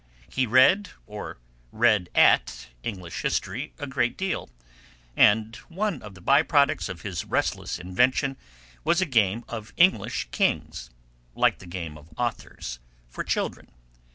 He read, or read at, English history a great deal, and one of the by products of his restless invention was a game of English Kings (like the game of Authors) for children.